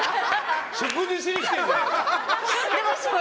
食事しに来てるじゃん。